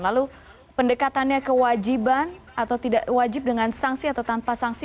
lalu pendekatannya kewajiban atau tidak wajib dengan sanksi atau tanpa sanksi